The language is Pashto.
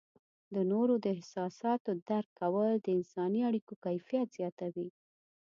د نورو د احساساتو درک کول د انسانی اړیکو کیفیت زیاتوي.